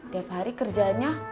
tiap hari kerjaannya